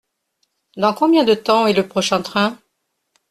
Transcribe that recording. Dans combien de temps est le prochain train ?